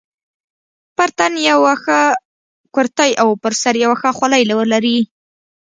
پر تن یوه ښه کورتۍ او پر سر یوه ښه خولۍ ولري.